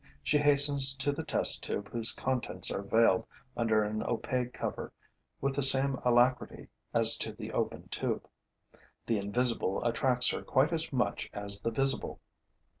She hastens to the test tube whose contents are veiled under an opaque cover with the same alacrity as to the open tube. The invisible attracts her quite as much as the visible.